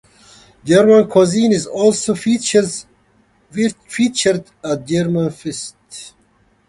German cuisine is also featured at German Fest.